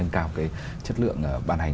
cảm thấy chất lượng bản hành